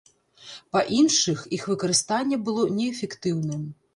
Па іншых, іх выкарыстанне было неэфектыўным.